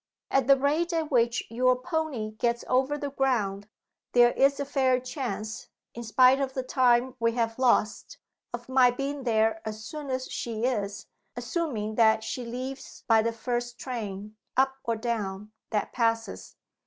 At the rate at which your pony gets over the ground, there is a fair chance, in spite of the time we have lost, of my being there as soon as she is assuming that she leaves by the first train, up or down, that passes."